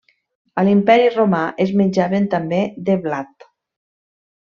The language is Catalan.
A l'Imperi Romà es menjaven també de blat.